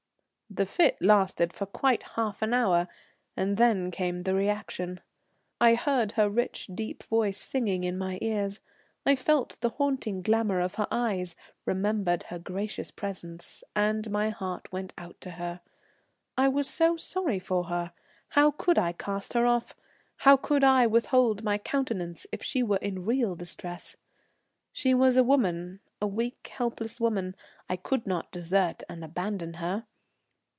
The fit lasted for quite half an hour, and then came the reaction. I heard her rich deep voice singing in my ears, I felt the haunting glamour of her eyes, remembered her gracious presence, and my heart went out to her. I was so sorry for her: how could I cast her off? How could I withhold my countenance if she were in real distress? She was a woman a weak, helpless woman; I could not desert and abandon her.